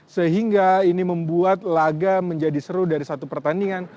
sehingga ini membuat laga menjadi seru dari satu pertandingan